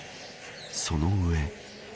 その上。